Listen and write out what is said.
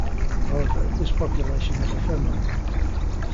However, this population was ephemeral.